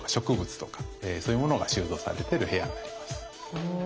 お。